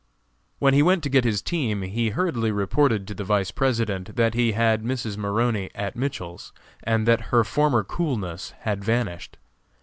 When he went to get his team he hurriedly reported to the Vice President that he had Mrs. Maroney at Mitchell's, and that her former coolness had vanished.